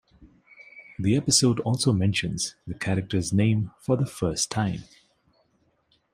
The episode also mentions the character's name for the first time.